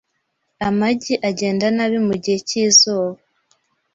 Amagi agenda nabi mugihe cyizuba .